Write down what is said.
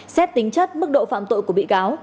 xét tính chất mức độ phạm tội của bị cáo